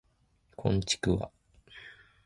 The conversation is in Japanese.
こんちくわ